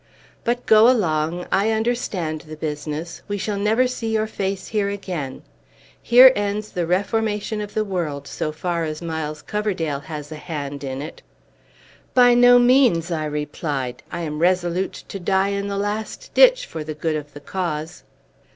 But go along! I understand the business. We shall never see your face here again. Here ends the reformation of the world, so far as Miles Coverdale has a hand in it!" "By no means," I replied. "I am resolute to die in the last ditch, for the good of the cause."